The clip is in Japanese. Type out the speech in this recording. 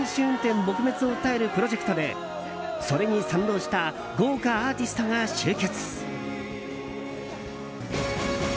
撲滅を訴えるプロジェクトでそれに賛同した豪華アーティストが集結。